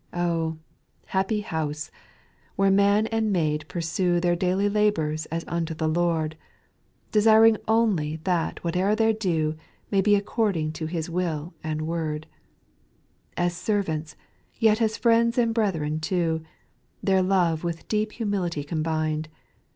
SPIRITUAL SONGS. SOI 4. Oh, happy house ! where man and maid pur sue Their daily labours as unto the Lord, Desiring only that whatever they do, May be according to His will and word ;— As servants, yet as friends and brethren too. Their love with deep humility combined.